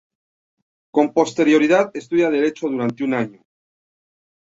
Con posterioridad estudia derecho durante un año.